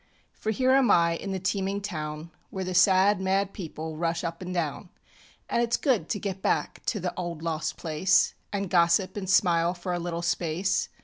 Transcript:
For here am I in the teeming town, Where the sad, mad people rush up and down, And itŌĆÖs good to get back to the old lost place, And gossip and smile for a little space.